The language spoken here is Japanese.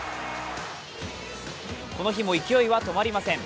この日も勢いは止まりません。